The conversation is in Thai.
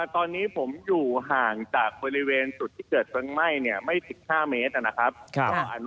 ตอนนี้ผมอยู่ห่างจากบริเวณจุดที่เกิดเพลิงไหม้ไม่๑๕เมตรนะครับ